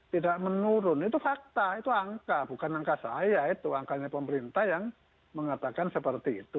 tidak menurun itu fakta itu angka bukan angka saya itu angkanya pemerintah yang mengatakan seperti itu